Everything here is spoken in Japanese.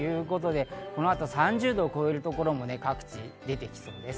この後３０度を超えるところも各地出てきそうです。